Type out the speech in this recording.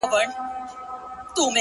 دا ستا دسرو سترگو خمار وچاته څه وركوي.